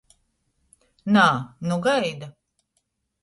Nā, nu gaida.